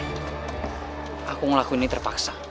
aku ngelakuin ini terpaksa